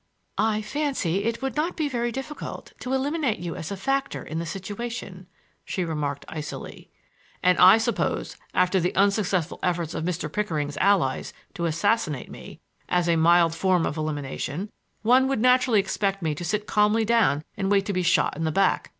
"I fancy it would not be very difficult to eliminate you as a factor in the situation," she remarked icily. "And I suppose, after the unsuccessful efforts of Mr. Pickering's allies to assassinate me, as a mild form of elimination, one would naturally expect me to sit calmly down and wait to be shot in the back.